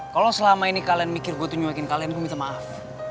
kalau selama ini kalian mikir gua tuh nyuakin kalian gua minta maaf